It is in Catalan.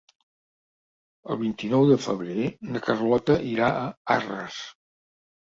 El vint-i-nou de febrer na Carlota irà a Arres.